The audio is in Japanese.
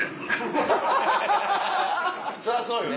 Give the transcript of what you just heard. そりゃそうよね。